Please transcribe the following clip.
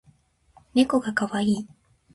ねこがかわいい